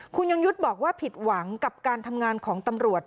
คุณยงยุทธ์บอกว่าผิดหวังกับการทำงานของตำรวจ